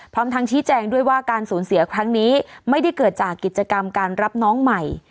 พร้อมทั้งชี้แจงด้วยว่าการสูญเสียครั้งนี้ไม่ได้เกิดจากกิจกรรมการรับน้องใหม่